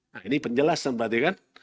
nah ini penjelasan berarti kan